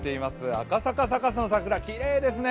赤坂サカスの桜、きれいですね。